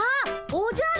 おじゃる！